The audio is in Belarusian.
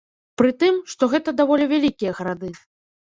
Пры тым, што гэта даволі вялікія гарады.